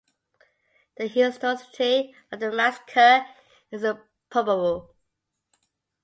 The historicity of the massacre is probable.